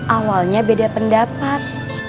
awalnya beda pendapat